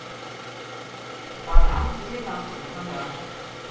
پر ہم کِسے نا دساں گا۔